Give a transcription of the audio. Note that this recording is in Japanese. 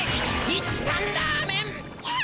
いったんラーメン！キャ！